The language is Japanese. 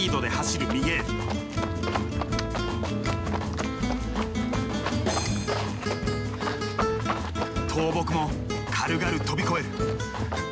倒木も軽々飛び越える。